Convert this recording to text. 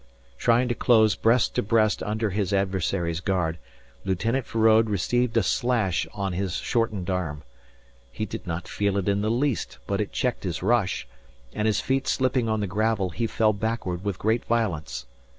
Trying to close breast to breast under his adversary's guard, Lieutenant Feraud received a slash on his shortened arm. He did not feel it in the least, but it checked his rush, and his feet slipping on the gravel, he fell backward with great violence.